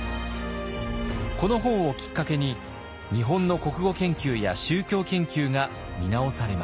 この本をきっかけに日本の国語研究や宗教研究が見直されました。